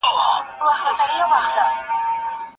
تېرول چي مي کلونه هغه نه یم